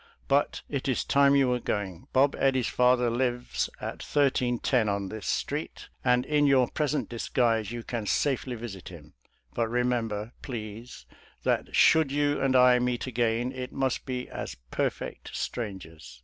But it is time you were going. Bob Eddy's father lives at 1310 on this street, and in your present disguise you can safely visit him. But remember, please, that should you and I meet again it must be as perfect strangers.